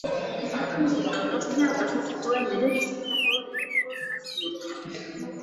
Donostian pasa zituen bere bizitzako lehenengo zazpi urteak.